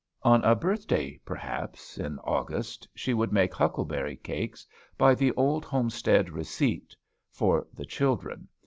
On a birthday perhaps, in August, she would make huckleberry cakes, by the old homestead "receipt," for the children.